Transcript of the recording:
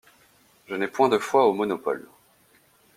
Je n'ai point de foi au monopole.